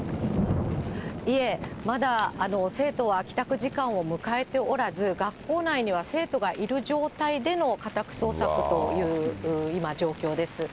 いえ、まだ生徒は帰宅時間を迎えておらず、学校内には生徒がいる状態での家宅捜索という、今、状況です。